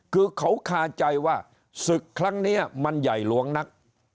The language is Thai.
คือเขาคาใจว่าศึกครั้งนี้มันใหญ่หลวงนัก